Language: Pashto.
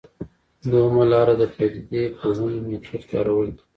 دویمه لاره د پدیده پوهنې میتود کارول دي.